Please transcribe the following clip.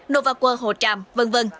novaquo hồ tràm v v